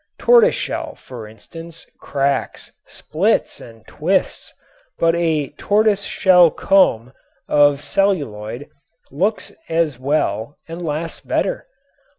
Tortoise shell, for instance, cracks, splits and twists, but a "tortoise shell" comb of celluloid looks as well and lasts better.